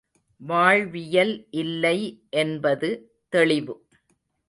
வாழ்வியல் இல்லை என்பது தெளிவு.